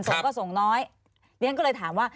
ส่งก็ส่งน้อยเรียนก็เลยถามว่า